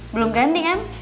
belum ganti kan